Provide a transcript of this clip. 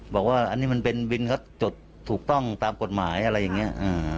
บอกว่าอันนี้มันเป็นวินเขาจดถูกต้องตามกฎหมายอะไรอย่างนี้